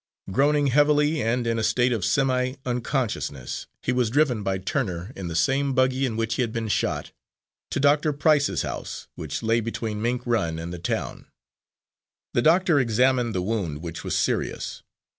Groaning heavily and in a state of semi unconsciousness he was driven by Turner, in the same buggy in which he had been shot, to Doctor Price's house, which lay between Mink Run and the town. The doctor examined the wound, which was serious.